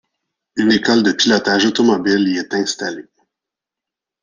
Une école de pilotage automobile y est installée.